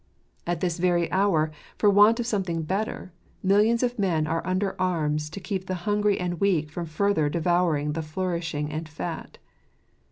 At this very hour, for want of something better, millions of men are under arms to keep the hungry and weak from further devouring the flourishing and fat.